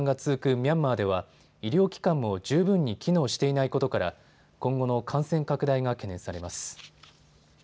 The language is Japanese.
ミャンマーでは医療機関も十分に機能していないことから今後の感染拡大が懸念されます。